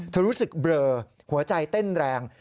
รู้สึกเบลอหัวใจเต้นแรง